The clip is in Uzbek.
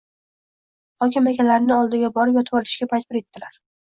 hokimakalarini oldiga borib yotvolishga majbur etilar.